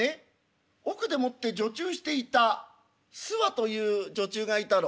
奥でもって女中していたすわという女中がいたろ。